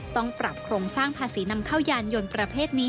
ต้องปรับโครงสร้างภาษีนำเข้ายานยนต์ประเภทนี้